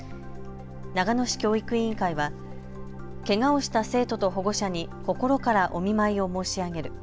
長野市教育委員会はけがをした生徒と保護者に心からお見舞いを申し上げる。